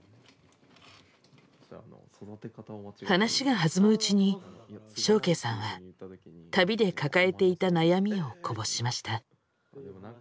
話が弾むうちに祥敬さんは旅で抱えていた悩みをこぼしました。